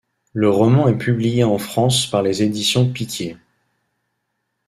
Le roman est publié en France par les éditions Picquier.